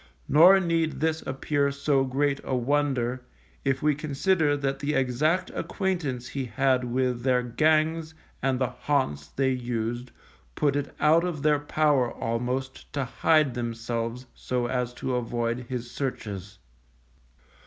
Nor need this appear so great a wonder, if we consider that the exact acquaintance he had with their gangs and the haunts they used put it out of their power almost to hide themselves so as to avoid his searches.